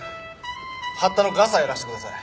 八田のガサやらせてください。